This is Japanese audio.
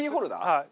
はい。